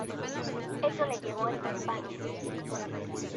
Eso le llevó hasta España.